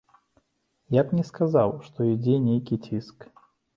Я б не сказаў, што ідзе нейкі ціск.